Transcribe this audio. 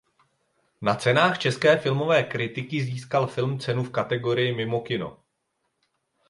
Na Cenách české filmové kritiky získal film cenu v kategorii Mimo kino.